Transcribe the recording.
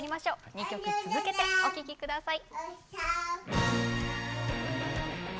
２曲続けてお聴き下さい。